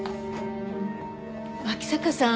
脇坂さん